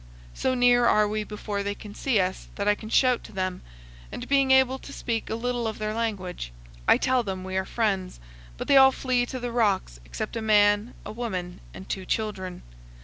So near are we before they can see us that I can shout to them, and, being able to speak a little of their language, I tell them we are friends; but they all flee to the rocks, except a man, a woman, and two children.